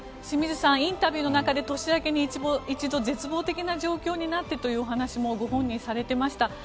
清水さんインタビューの中で年明けに一度絶望的な状況になってとお話もご本人されていました。